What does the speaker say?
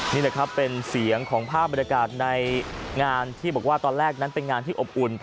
นี่แหละครับเป็นเสียงของภาพบรรยากาศในงานที่บอกว่าตอนแรกนั้นเป็นงานที่อบอุ่น